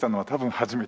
初めて。